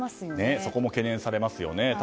そこも懸念されますよね。